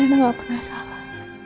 rena nggak pernah salah